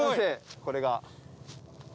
これが。